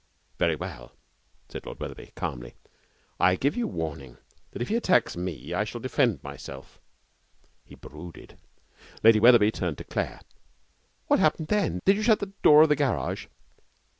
'Very well,' said Lord Wetherby, calmly. 'I give you warning that if he attacks me I shall defend myself.' He brooded. Lady Wetherby turned to Claire. 'What happened then? Did you shut the door of the garage?'